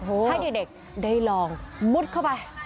ให้เด็กได้ลองมุดเข้าไป